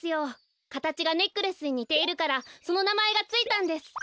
かたちがネックレスににているからそのなまえがついたんです。